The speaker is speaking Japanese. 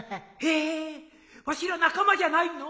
えわしら仲間じゃないの？